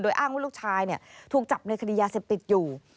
อ้างว่าลูกชายถูกจับในคดียาเสพติดอยู่